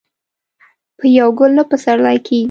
په يو ګل نه پسرلی کيږي.